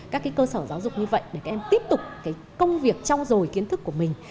các cơ sở giáo dục như vậy để các em tiếp tục công việc trao dồi kiến thức của mình